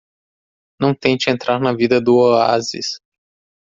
Não tente entrar na vida do oásis.